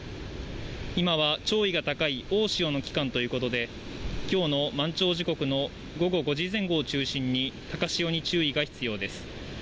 今は、潮位が高い大潮の期間ということで、今日の満潮時刻の午後５時前後を中心に高潮に注意が必要です。